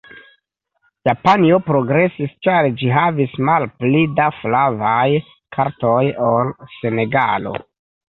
Japanio progresis ĉar ĝi havis malpli da flavaj kartoj ol Senegalo.